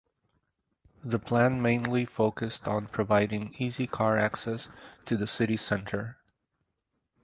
The plan mainly focused on providing easy car access to the city centre.